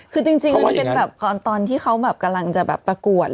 คือจริงมันเป็นการตอนทำประกวด